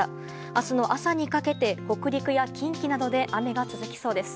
明日の朝にかけて北陸や近畿などで雨が続きそうです。